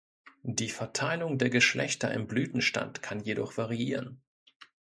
Die Verteilung der Geschlechter im Blütenstand kann jedoch variieren.